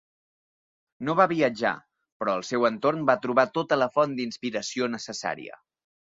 No va viatjar, però al seu entorn va trobar tota la font d'inspiració necessària.